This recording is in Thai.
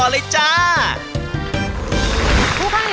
และเราอยู่กับใคร